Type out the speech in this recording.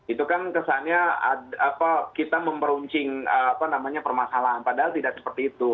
itu kan kesannya kita memperuncing permasalahan padahal tidak seperti itu